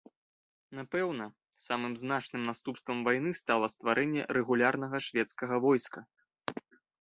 Напэўна, самым значным наступствам вайны стала стварэнне рэгулярнага шведскага войска.